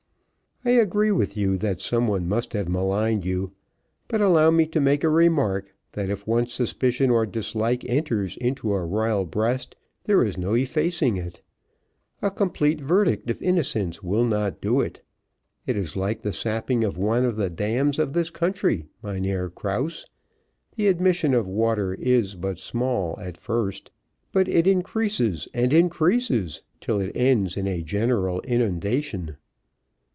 I agree with you that some one must have maligned you, but allow me to make a remark that if once suspicion or dislike enters into a royal breast, there is no effacing it, a complete verdict of innocence will not do it; it is like the sapping of one of the dams of this country, Mynheer Krause, the admission of water is but small at first, but it increases and increases, till it ends in a general inundation."